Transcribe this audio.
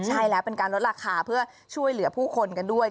ใช่แล้วเป็นการลดราคาเพื่อช่วยเหลือผู้คนกันด้วย